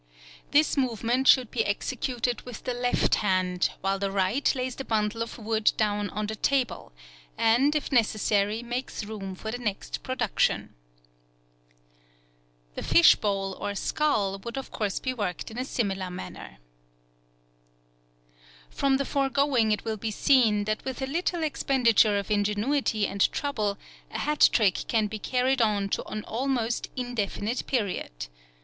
This movement should be executed with the left hand while the right lays the bundle of wood down on the table, and, if necessary, makes room for the next production. The fish bowl, or skull, would of course be worked in a similar manner. From the foregoing it will be seen that with a little expenditure of ingenuity and trouble a hat trick can be carried on to an almost indefinite period.